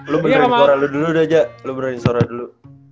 lo benerin suara lu dulu dah jack lo benerin suara dulu